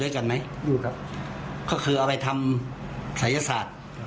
กันไหมอยู่ครับก็คือเอาไปทำศัยศาสตร์